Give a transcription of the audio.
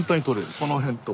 この辺とか。